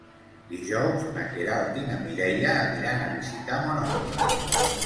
Dijous na Queralt i na Mireia aniran a visitar mon oncle.